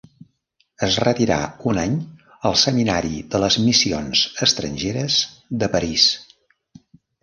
Es retirà un any al seminari de les Missions estrangeres de París.